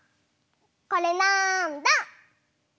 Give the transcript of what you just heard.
これなんだ？